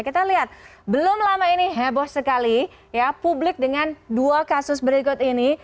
kita lihat belum lama ini heboh sekali ya publik dengan dua kasus berikut ini